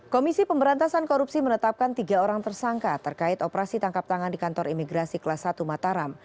komisi pemberantasan korupsi menetapkan tiga orang tersangka terkait operasi tangkap tangan di kantor imigrasi kelas satu mataram